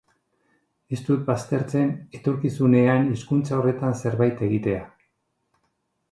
Ez dut baztertzen etorkizunean hizkuntza horretan zerbait egitea.